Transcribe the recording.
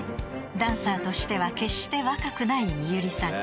［ダンサーとしては決して若くないＭＩＹＵＲＩさん］